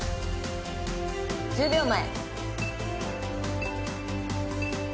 １０秒前。